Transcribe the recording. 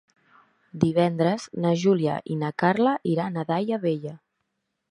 Divendres na Júlia i na Carla iran a Daia Vella.